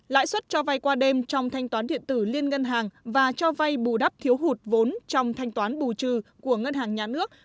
lãi suất cho vay qua đêm trong thanh toán điện tử liên ngân hàng và cho vay bù đắp thiếu hụt vốn trong thanh toán bù trừ của ngân hàng nhà nước